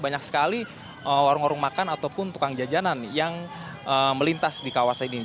banyak sekali warung warung makan ataupun tukang jajanan yang melintas di kawasan ini